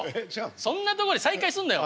そんなとこで再開すんなよ！